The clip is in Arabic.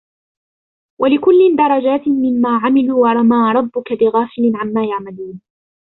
ولكل درجات مما عملوا وما ربك بغافل عما يعملون